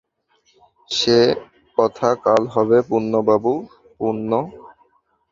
সে কথা কাল হবে পূর্ণবাবু– পূর্ণ।